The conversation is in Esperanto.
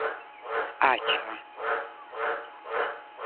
aĉa